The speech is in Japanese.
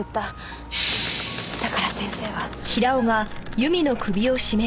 だから先生は。